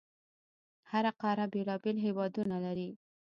هره قاره بېلابېل هیوادونه لري.